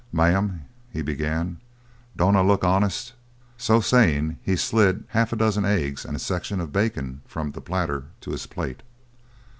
"Ma'am," he began, "don't I look honest?" So saying, he slid half a dozen eggs and a section of bacon from the platter to his plate.